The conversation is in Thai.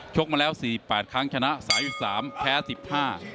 กมาแล้วสี่แปดครั้งชนะสามสิบสามแพ้สิบห้า